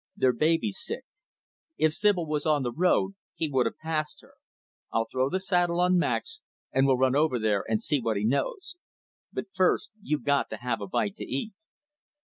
Their baby's sick. If Sibyl was on the road, he would have passed her. I'll throw the saddle on Max, and we'll run over there and see what he knows. But first, you've got to have a bite to eat."